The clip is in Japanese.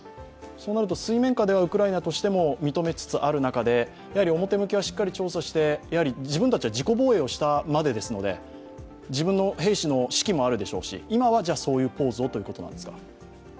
そうなると水面下ではウクライナも認めつつある中で表向きはしっかり調査して、自分たちは自己防衛をしたまでですので自分の兵士の士気もあるでしょうし、今はそういうポーズということなんですか？